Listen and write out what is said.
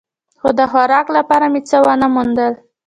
خو د خوراک لپاره مې څه و نه موندل.